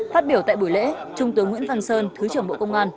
phát biểu tại buổi lễ trung tướng nguyễn văn sơn thứ trưởng bộ công an